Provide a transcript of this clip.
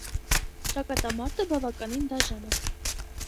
Ճակատամարտը բավականին դաժան էր։